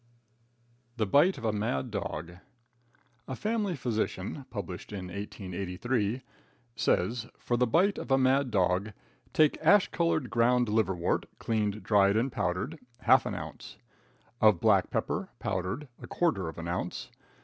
The Bite of a Mad Dog. A "Family Physician," published in 1883, says, for the bite of a mad dog: "Take ash colored ground liverwort, cleaned, dried, and powdered, half an ounce; of black pepper, powdered, a quarter of an ounce.